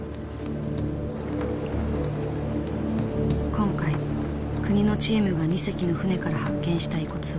今回国のチームが２隻の船から発見した遺骨は１２の部位。